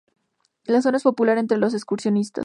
La zona es popular entre los excursionistas.